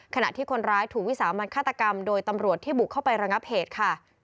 ขณะที่คนร้ายถูกวิสามันฆาตกรรมโดยตำรวจที่บุกเข้าไประงับเหตุค่ะ